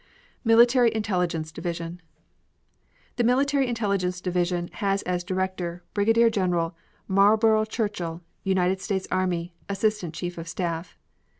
MILITARY INTELLIGENCE DIVISION The Military Intelligence Division has as director Brigadier General Marlborough Churchill, United States army, Assistant Chief of Staff.